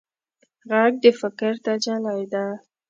غږ د فکر تجلی ده